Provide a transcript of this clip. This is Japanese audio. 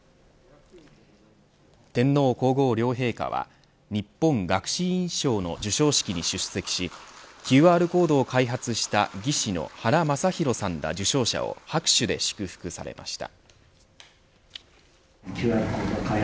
天皇皇后両陛下は日本学士院賞の授賞式に出席しＱＲコードを開発した技師の原昌宏さんら受賞者を拍手で祝福されました。